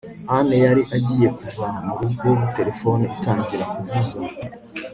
anne yari agiye kuva mu rugo telefone itangira kuvuza